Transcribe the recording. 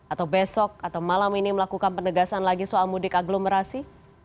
atau besok atau malam ini melakukan penegasan lagi soal mudik aglomerasi